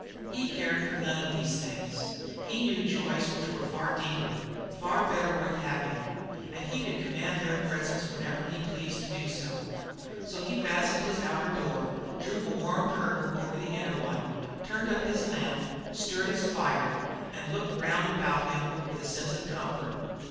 He cared for none of these things. He knew joys which were far deeper, far better worth having, and he could command their presence whenever he pleased to do so. So he fastened his outer door, drew a warm curtain over the inner one, turned up his lamp, and stirred his fire, and looked round about him with a sense of comfort.